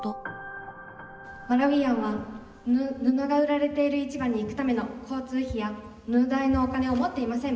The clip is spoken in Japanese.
マラウィアンは布が売られている市場に行くための交通費や布代のお金を持っていません。